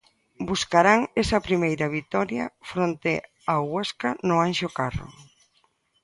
Buscarán esa primeira vitoria fronte ao Huesca no Anxo Carro.